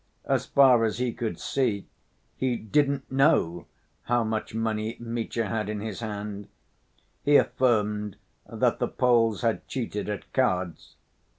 As far as he could see he "didn't know" how much money Mitya had in his hands. He affirmed that the Poles had cheated at cards.